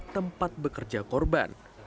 tempat bekerja korban